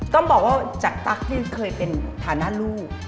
ต้องบอกว่าจากตั๊กนี่เคยเป็นฐานะลูก